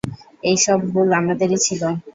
এই সব ভুল আমাদেরই ছিল।